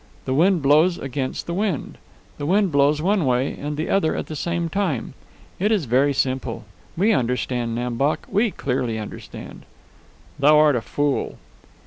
The wind blows against the wind. The wind blows one way and the other at the same time. It is very simple. We understand, Nam Bok. We clearly understand." "Thou art a fool!"